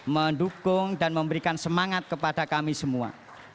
mendukung dan memberikan semangat kepada kami semua